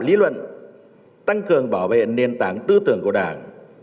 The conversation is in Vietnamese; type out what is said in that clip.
lý luận tăng cường bảo vệ nền tảng tư tưởng của đảng